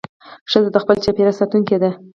ښځه د خپل چاپېریال ساتونکې ده.